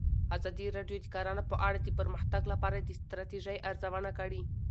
ازادي راډیو د کرهنه په اړه د پرمختګ لپاره د ستراتیژۍ ارزونه کړې.